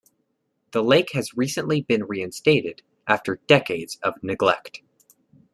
The lake has recently been reinstated after decades of neglect.